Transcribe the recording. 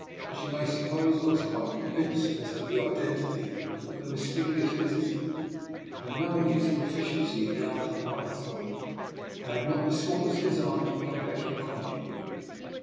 As you may suppose, I was quite convinced as to the identity of the mys terious visitor; and knowing his proficiency in the art of knife throwing, I had not the smallest desire to become better acquainted with him.